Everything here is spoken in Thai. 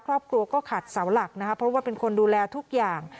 ครอบครัวก็ขัดเสาหลักนะคะเพราะว่าเป็นคนดูแลทุกอย่าง